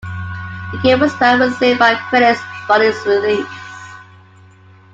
The game was well received by critics upon its release.